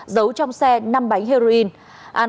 giấu trong xe năm bánh heroin